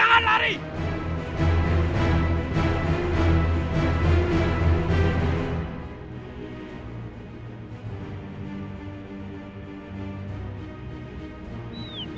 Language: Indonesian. ya saya selalu untuk menurutmu